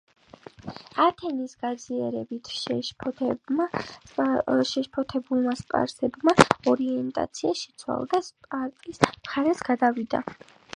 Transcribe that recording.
ათენის გაძლიერებით შეშფოთებულმა სპარსეთმა ორიენტაცია შეცვალა და სპარტის მხარეზე გადავიდა.